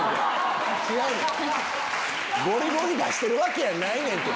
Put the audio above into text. ゴリゴリ出してるわけやないねん！